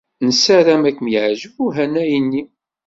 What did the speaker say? Nessaram ad kem-yeɛjeb uhanay-nni.